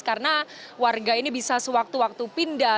karena warga ini bisa sewaktu waktu pindah